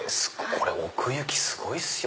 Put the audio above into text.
これ奥行きすごいっすよ。